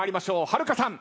はるかさん。